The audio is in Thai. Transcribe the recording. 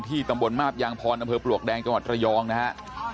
ตำบลมาบยางพรอำเภอปลวกแดงจังหวัดระยองนะฮะ